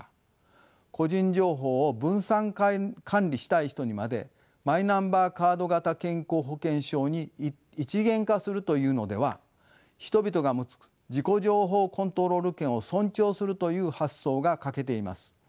個人情報を分散管理したい人にまでマイナンバーカード型健康保険証に一元化するというのでは人々が持つ自己情報コントロール権を尊重するという発想が欠けています。